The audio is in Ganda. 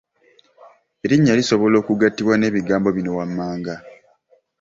Erinnya lisobola okugattibwa n’ebigambo bino wammanga.